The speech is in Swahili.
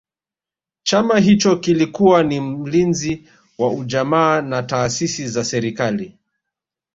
Chama hicho kilikuwa ni mlinzi wa ujamaa na taasisi za serikali